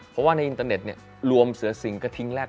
เพราะว่าในอินเตอร์เน็ตเนี่ยรวมเสือสิงกระทิ้งแรก